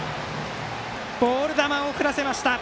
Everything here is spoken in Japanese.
ボール球を振らせました。